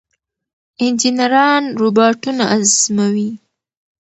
انجنیران روباټونه ازمويي.